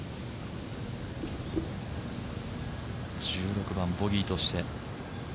１６番ボギーとして。